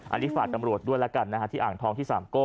อัฐิฝรกรรมดรของท่านอ่างทองพิสามโก้